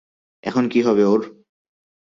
এখন কী হবে ওর?